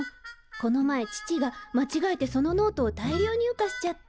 この前父がまちがえてそのノートを大量入荷しちゃって。